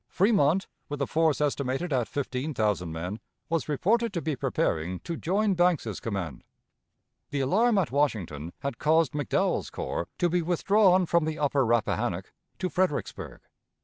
Fremont, with a force estimated at fifteen thousand men, was reported to be preparing to join Banks's command. The alarm at Washington had caused McDowell's corps to be withdrawn from the upper Rappahannock to Fredericksburg.